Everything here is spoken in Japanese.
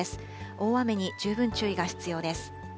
大雨に十分注意が必要です。